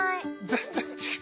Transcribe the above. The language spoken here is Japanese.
全然違う。